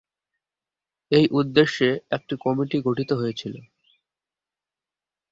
এই উদ্দেশ্যে একটি কমিটি গঠিত হয়েছিল।